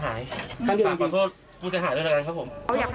ถ้าคุณฟังขอโทษผมจะหายด้วยกันครับผม